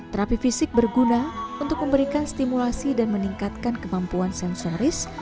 terapi fisik berguna untuk memberikan stimulasi dan meningkatkan kemampuan sensoris